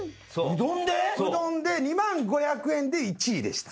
うどんで２万５００円で１位でした。